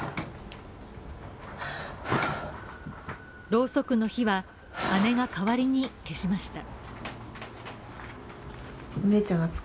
ろうそくの火は姉が代わりに消しました。